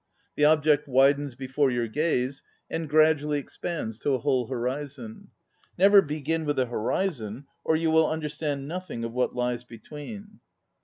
The object widens be fore your gaze, and gradually ex pands to a whole horizon. Never begin with the horizon, or you will understand nothing of what lies between.